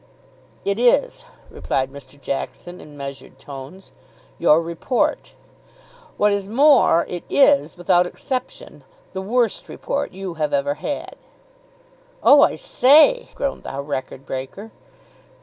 "It is," replied Mr. Jackson in measured tones, "your report; what is more, it is without exception the worst report you have ever had." "Oh, I say!" groaned the record breaker.